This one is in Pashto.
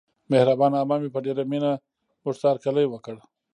مهربانه عمه مې په ډېره مینه موږته هرکلی وکړ.